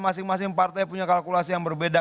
masing masing partai punya kalkulasi yang berbeda